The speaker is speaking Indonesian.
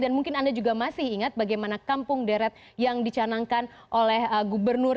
dan mungkin anda juga masih ingat bagaimana kampung deret yang dicanangkan oleh gubernur